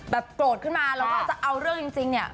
โกรธขึ้นมาแล้วก็จะเอาเรื่องจริงเนี่ย